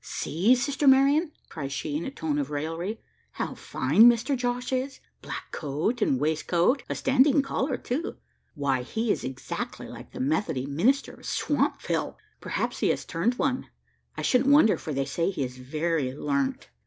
"See, sister Marian!" cries she in a tone of raillery, "how fine Mister Josh is! black coat and waistcoat: a standing collar too! Why, he is exactly like the Methody minister of Swampville! Perhaps he has turned one. I shouldn't wonder: for they say he is very learnt.